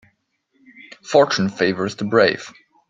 Fortune favours the brave.